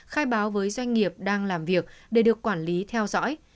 khai báo với doanh nghiệp đang làm việc để được quản lý theo dõi